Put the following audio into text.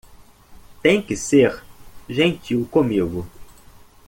Tem que ser gentil comigo.